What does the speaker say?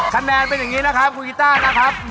คะแนนเป็นอย่างนี้นะครับคุณกีต้านะครับ